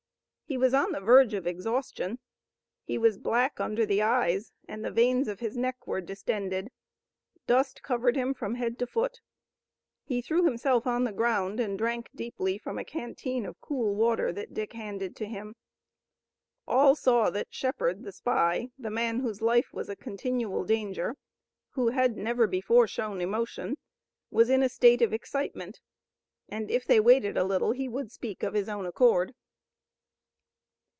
He was on the verge of exhaustion. He was black under the eyes and the veins of his neck were distended. Dust covered him from head to foot. He threw himself on the ground and drank deeply from a canteen of cool water that Dick handed to him. All saw that Shepard, the spy, the man whose life was a continual danger, who had never before shown emotion, was in a state of excitement, and if they waited a little he would speak of his own accord.